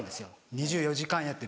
２４時間やってる。